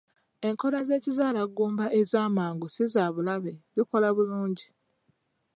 Enkola z'ekizaalaggumba ez'amangu si za bulabe, zikola bulungi.